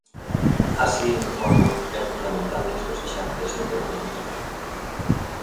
Así, informan, é fundamental que isto sexa accesible economicamente.